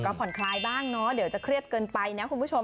ก็ผ่อนคลายบ้างเนอะเดี๋ยวจะเครียดเกินไปนะคุณผู้ชม